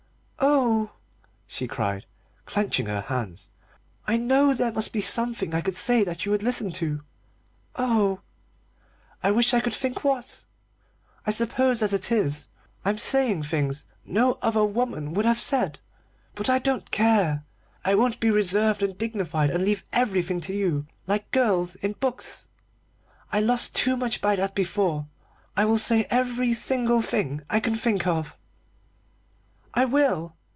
"Oh," she cried, clenching her hands, "I know there must be something I could say that you would listen to oh, I wish I could think what! I suppose as it is I'm saying things no other woman ever would have said but I don't care! I won't be reserved and dignified, and leave everything to you, like girls in books. I lost too much by that before. I will say every single thing I can think of. I will!